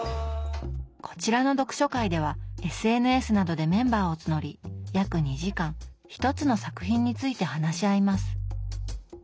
こちらの読書会ではＳＮＳなどでメンバーを募り約２時間１つの作品について話し合います。